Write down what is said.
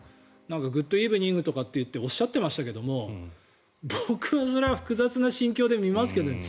グッド・イブニングとかっておっしゃっていましたけど僕はそれは複雑な心境で常に見ますけど。